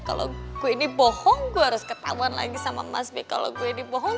kalau gue ini bohong gue harus ketahuan lagi sama mas b kalau gue dibohong